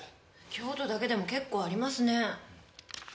京都だけでも結構ありますね。